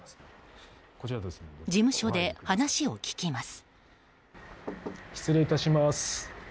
事務所で話を聞きます。